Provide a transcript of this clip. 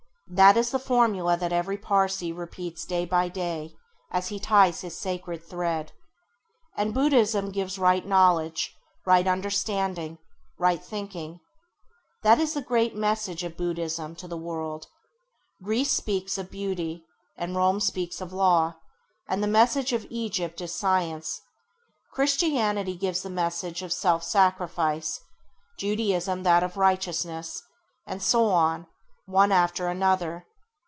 That is the formula that every Pãrsî repeats day by day as he ties his sacred thread. And Buddhism gives right knowledge, right understanding, right thinking. That is the great message of Buddhism to the world. Greece speaks of Beauty, and Rome speaks of Law, and the message of Egypt is Science. Christianity gives the message of Self sacrifice; Judaism that of Righteousness; and so on, one after another.